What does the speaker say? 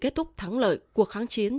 kết thúc thắng lợi cuộc kháng chiến